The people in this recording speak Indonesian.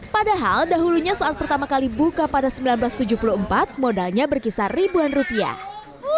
padahal dahulunya saat pertama kali buka pada seribu sembilan ratus tujuh puluh empat modalnya berkisar ribuan rupiah